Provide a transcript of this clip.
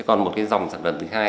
còn một cái dòng sản phẩm thứ hai